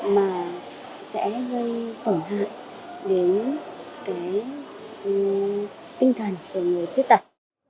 mà sẽ gây tổn hại đến tinh thần của người quyết tật